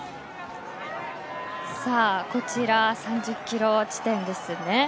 こちら３０キロ地点です。